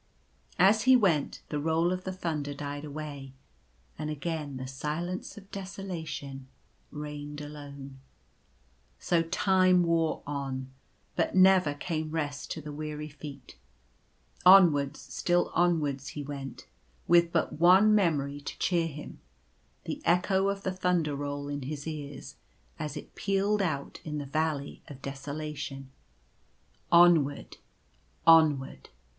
As he went the roll of the thunder died away, and again the silence of desolation reigned alone. So time wore on ; but never came rest to the weary feet. Onwards, still onwards be went, with but one memory to cheer him — the echo of the thunder roll in his ears, as it pealed out in the Valley of Desolation : x 154 ^^ e Trackless Wastes. " Onward ! Onward